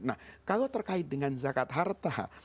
nah kalau terkait dengan zakat harta